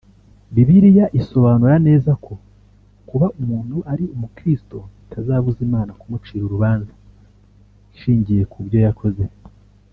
Bibiliya isobanura neza ko kuba umuntu ari umukristo bitazabuza Imana kumucira urubanza Inshigiye kubyo yakoze